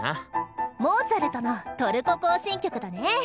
モーツァルトの「トルコ行進曲」だね！